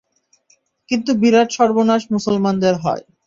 কিন্তু বিরাট সর্বনাশ মুসলমানদের হয়।